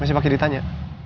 masih pake ditanya